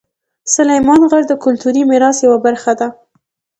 سلیمان غر د کلتوري میراث یوه برخه ده.